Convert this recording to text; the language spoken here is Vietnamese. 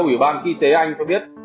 ủy ban kinh tế anh cho biết